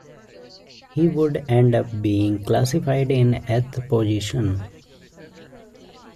He would end up being classified in eighth position.